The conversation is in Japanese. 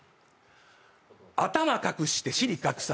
頭隠して尻隠さず。